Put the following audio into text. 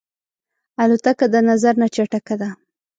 الوتکه د نظر نه چټکه ده.